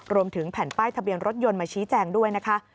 รวมถึงแผ่นป้ายทะเบียนรถยนต์มาชี้แจงด้วยนะคะ